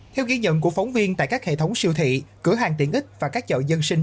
theo ghi nhận của phóng viên tại các hệ thống siêu thị cửa hàng tiện ích và các chợ dân sinh